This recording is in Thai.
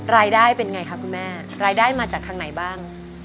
รายได้เป็นไงคะคุณแม่รายได้มาจากทางไหนบ้าง